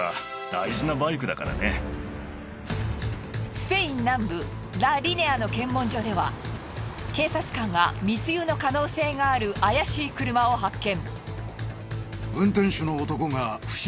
スペイン南部ラ・リネアの検問所では警察官が密輸の可能性がある怪しい車を発見。